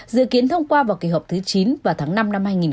dự kiến thông qua vào kỳ họp thứ chín vào tháng năm năm hai nghìn hai mươi